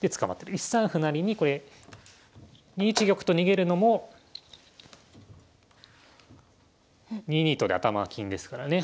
１三歩成にこれ２一玉と逃げるのも２二と金で頭金ですからね